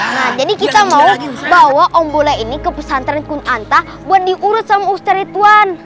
nah jadi kita mau bawa om bule ini ke pesantren kunanta buat diurut sama ustaz ridwan